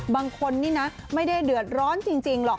บางคนนี่นะไม่ได้เดือดร้อนจริงหรอก